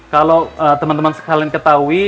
kalau teman teman sekalian ketahui